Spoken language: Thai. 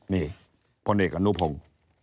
นี่พลเอกอนุพงศ์